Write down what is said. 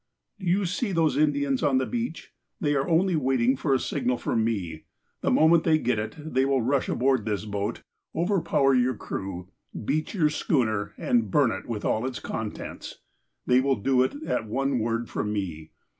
" Do you see those Indians on the beach? They are only waiting for a signal from me. The moment they get it, they will rush aboard this boat, overpower your crew, beach your schooner, and burn it with all its con tents. They will do it at one word from me.